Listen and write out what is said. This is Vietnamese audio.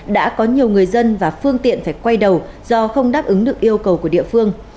đã có nhiều người dân và phương tiện phải quay đầu do không đáp ứng được yêu cầu của địa phương